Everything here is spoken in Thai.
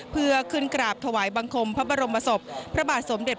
เพื่อขึ้นกราบถวายบังคมพระบรมศพพระบาทสมเด็จ